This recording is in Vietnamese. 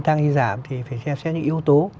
tăng đi giảm thì phải xem xét những yếu tố